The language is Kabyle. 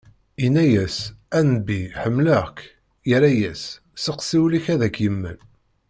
Yenna-as: "A nnbi ḥemmleɣ-k." Yerra-as: "Seqsi ul-ik ad ak-yemmel."